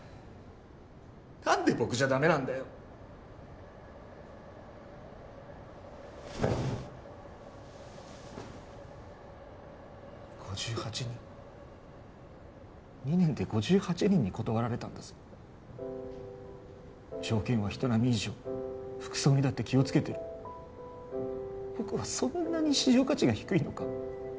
何で僕じゃダメなんだよ５８人２年で５８人に断られたんだぞ条件は人並み以上服装にだって気をつけてる僕はそんなに市場価値が低いのか？